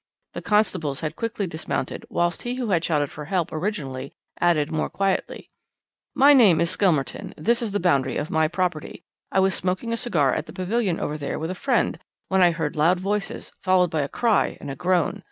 The constables had quickly dismounted, whilst he who had shouted for help originally added more quietly: "'My name is Skelmerton. This is the boundary of my property. I was smoking a cigar at the pavilion over there with a friend when I heard loud voices, followed by a cry and a groan.